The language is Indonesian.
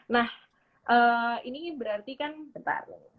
nah ini berarti kan bentar